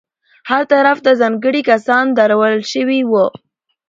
هر طرف ته ځانګړي کسان درول شوي وو.